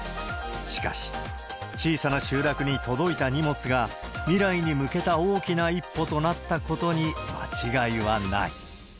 しかし、小さな集落に届いた荷物が、未来に向けた大きな一歩となったことに間違いはない。